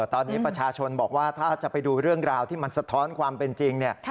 ตอนนี้ประชาชนบอกว่าถ้าจะไปดูเรื่องราวที่มันสะท้อนความเป็นจริงเนี่ย